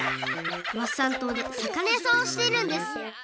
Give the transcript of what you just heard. ワッサン島でさかなやさんをしているんです。